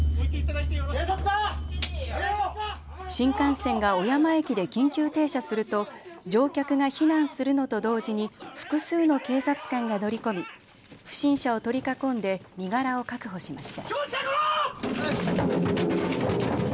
新幹線が小山駅で緊急停車すると乗客が避難するのと同時に複数の警察官が乗り込み不審者を取り囲んで身柄を確保しました。